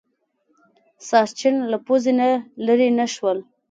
ساسچن له پوزې نه لرې نه شول.